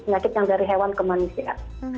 penyakit yang dari hewan ke manusia